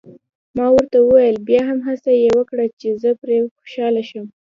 ما ورته وویل: بیا هم هڅه یې وکړه، چې زه پرې خوشحاله شم.